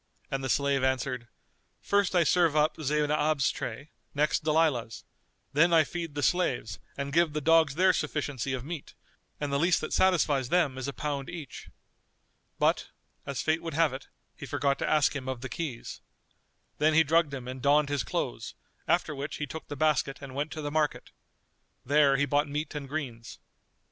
and the slave answered, "First I serve up Zaynab's tray, next Dalilah's; then I feed the slaves and give the dogs their sufficiency of meat, and the least that satisfies them is a pound each." But, as fate would have it, he forgot to ask him of the keys. Then he drugged him and donned his clothes; after which he took the basket and went to the market. There he bought meat and greens.